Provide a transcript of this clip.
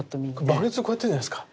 バケツをこうやってんじゃないですか？